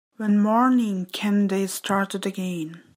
When morning came they started again.